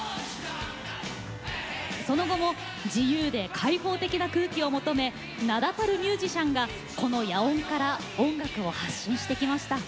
その後も自由で開放的な空気を求め名だたるミュージシャンがこの野音から音楽を発信してきました。